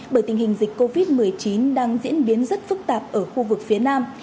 bởi tình hình dịch covid một mươi chín đang diễn biến rất phức tạp ở khu vực phía nam